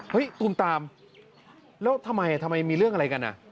ตูมตามแล้วทำไมทำไมมีเรื่องอะไรกันอ่ะ